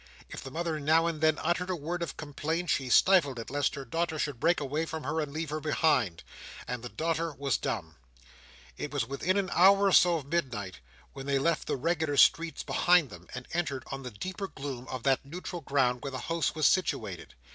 If the mother now and then uttered a word of complaint, she stifled it lest her daughter should break away from her and leave her behind; and the daughter was dumb. It was within an hour or so of midnight, when they left the regular streets behind them, and entered on the deeper gloom of that neutral ground where the house was situated.